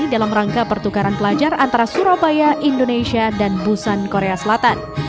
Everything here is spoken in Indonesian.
dalam rangka pertukaran pelajar antara surabaya indonesia dan busan korea selatan